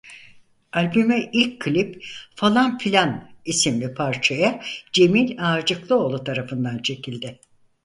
Albüme ilk klip "Falan Filan" isimli parçaya Cemil Ağacıklıoğlu tarafından çekildi.